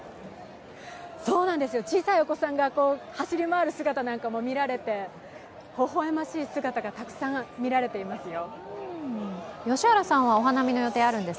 小さいお子さんが走り回る姿なんかも見られてほほえましい姿がたくさん見られていますよ。